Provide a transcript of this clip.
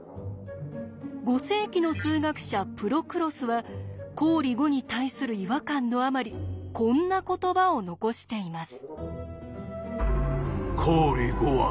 ５世紀の数学者プロクロスは公理５に対する違和感のあまりこんな言葉を残しています。